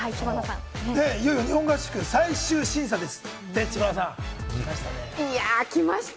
知花さん、いよいよ日本合宿最終審査です。